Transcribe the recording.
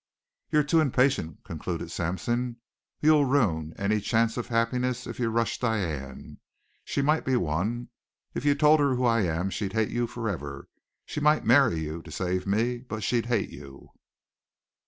"You're too impatient," concluded Sampson. "You'll ruin any chance of happiness if you rush Diane. She might be won. If you told her who I am she'd hate you forever. She might marry you to save me, but she'd hate you.